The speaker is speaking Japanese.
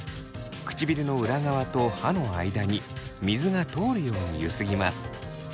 唇の裏側と歯の間に水が通るようにゆすぎます。